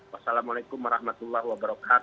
wassalamu'alaikum warahmatullahi wabarakatuh